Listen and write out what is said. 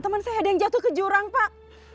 teman saya ada yang jatuh ke jurang pak